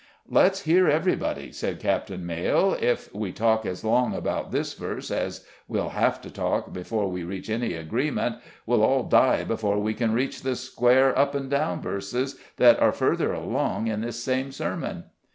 "Let's hear everybody," said Captain Maile. "If we talk as long about this verse as we'll have to talk before we reach any agreement, we'll all die before we can reach the square up and down verses that are further along in this same sermon."